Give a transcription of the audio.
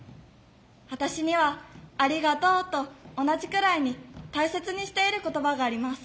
私には「ありがとう」と同じくらいに大切にしている言葉があります。